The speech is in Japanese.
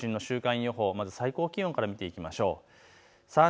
最新の週間予報、まず最高気温から見ていきましょう。